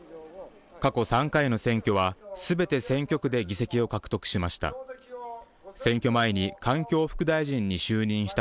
過去３回の選挙は全て選挙区で議席を獲得しました。